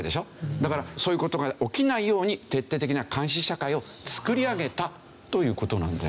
だからそういう事が起きないように徹底的な監視社会をつくり上げたという事なんだよね。